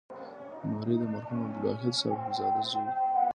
نوري مرحوم د عبدالواحد صاحبزاده زوی.